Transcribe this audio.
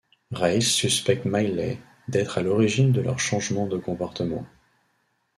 Reis suspecte Mailley d'être à l'origine de leur changement de comportement.